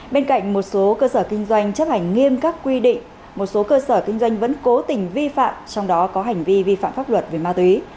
bên cạnh một số cơ sở kinh doanh chấp hành nghiêm các quy định một số cơ sở kinh doanh vẫn cố tình vi phạm trong đó có hành vi vi phạm pháp luật về ma túy